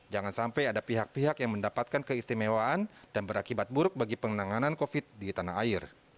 jangan sampai ada pihak pihak yang mendapatkan keistimewaan dan berakibat buruk bagi penanganan covid di tanah air